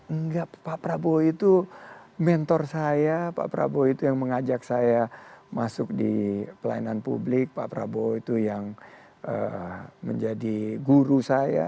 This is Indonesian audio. enggak pak prabowo itu mentor saya pak prabowo itu yang mengajak saya masuk di pelayanan publik pak prabowo itu yang menjadi guru saya